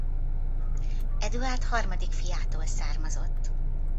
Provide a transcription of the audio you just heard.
Eduárd harmadik fiától származott.